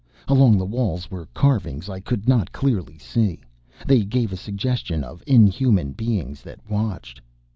Along the walls were carvings I could not clearly see. They gave a suggestion of inhuman beings that watched.